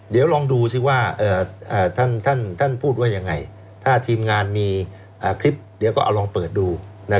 เดี๋ยวลองดูสิว่าท่านพูดว่ายังไงถ้าทีมงานมีคลิปเดี๋ยวก็เอาลองเปิดดู